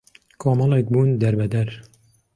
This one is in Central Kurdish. کۆمەڵێک بوون دەربەدەر